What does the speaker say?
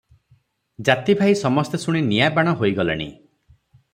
ଜାତିଭାଇ ସମସ୍ତେ ଶୁଣି ନିଆଁବାଣ ହୋଇ ଗଲେଣି ।